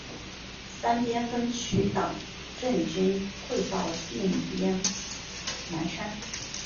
三边分区党政军退到定边南山。